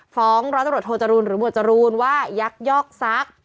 ฟ้องรัฐบริโธรจรูลหรือหมวดจรูลว่ายักษ์ยอกซัก